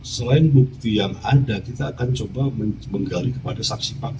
selain bukti yang ada kita akan coba menggali kepada saksi fakta